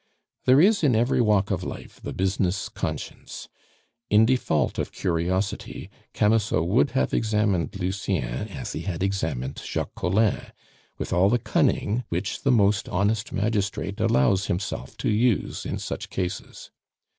There is in every walk of life the business conscience. In default of curiosity Camusot would have examined Lucien as he had examined Jacques Collin, with all the cunning which the most honest magistrate allows himself to use in such cases.